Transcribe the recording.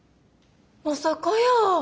まさかやー！